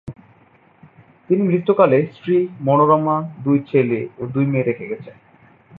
তিনি মৃত্যুকালে স্ত্রী মনোরমা, দুই ছেলে ও দুই মেয়ে রেখে গেছেন।